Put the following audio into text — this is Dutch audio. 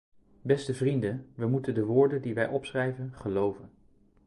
Beste vrienden, wij moeten de woorden die wij opschrijven geloven.